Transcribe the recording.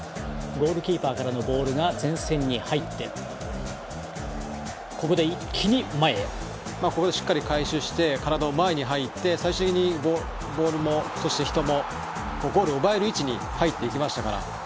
ゴールキーパーからのボールが前線に入ってここでしっかり回収して体を前に入って最終的にボールもそして人もゴールを奪える位置に入っていきましたから。